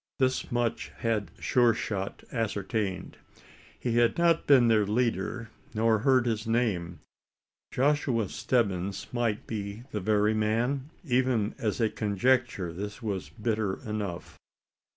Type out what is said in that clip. This much had Sure shot ascertained. He had not seen their leader, nor heard his name. Joshua Stebbins might be the very man? Even as a conjecture, this was bitter enough.